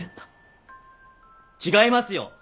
違いますよ！